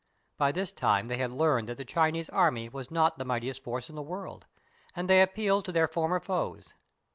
By this time they had learned that the Chinese army was not the mightiest force in the world, and they appealed to their former foes.